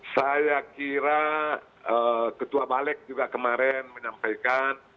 saya kira ketua balik juga kemarin menyampaikan